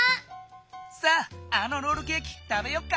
さああのロールケーキ食べよっか。